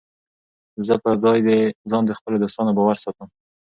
زه پر ځان د خپلو دوستانو باور ساتم.